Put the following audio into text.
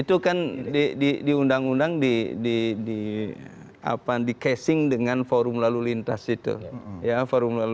itu kan di undang undang di casing dengan forum lalu lintas itu